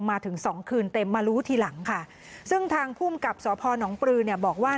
มาถึงสองคืนเต็มมารู้ทีหลังค่ะซึ่งทางภูมิกับสพนปลือเนี่ยบอกว่า